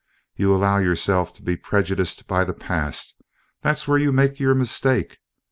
You allow yourself to be prejudiced by the past, that's where you make your mistake.